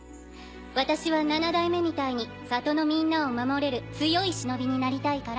私は七代目みたいに里のみんなを守れる強い忍になりたいから。